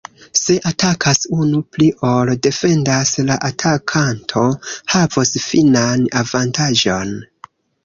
Se atakas unu pli ol defendas, la atakanto havos finan avantaĝon.